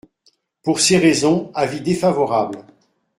Pour ces raisons, avis défavorable.